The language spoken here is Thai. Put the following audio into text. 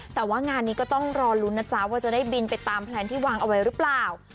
แต่ว่างานนี้ก็ต้องรอลุ้นนะจ๊ะว่าจะได้บินไปตามแพลนที่วางเอาไว้หรือเปล่า